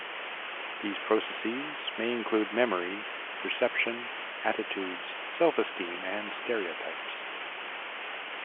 These processes may include memory, perception, attitudes, self-esteem, and stereotypes.